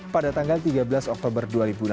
pada tanggal tiga belas oktober dua ribu enam belas